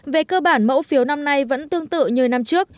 về cơ bản mẫu phiếu năm nay vẫn tương tự như năm trước